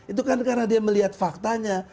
itu kan karena dia melihat faktanya